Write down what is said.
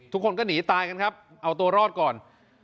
ทุกคนก็หนีตายกันครับเอาตัวรอดก่อน